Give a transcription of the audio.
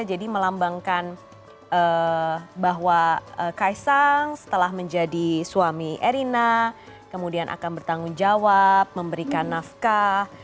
jadi melambangkan bahwa kaisang setelah menjadi suami erina kemudian akan bertanggung jawab memberikan nafkah